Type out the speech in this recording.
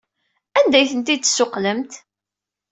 Anda ay ten-id-tessuqqlemt?